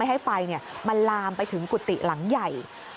ให้ไฟมันลามไปถึงกุฏิหลังใหญ่